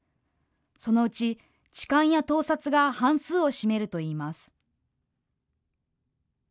そのうち痴漢や盗撮が半数を占めるといいます。